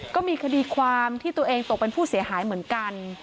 ก็มีคดีความที่ตัวเองตกเป็นผู้เสียหายเหมือนกัน